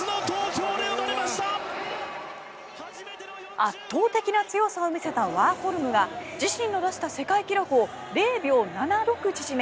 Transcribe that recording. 圧倒的な強さを見せたワーホルムが自身の出した世界記録を０秒７６縮め